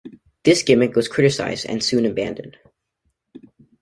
This gimmick was criticized, and soon abandoned.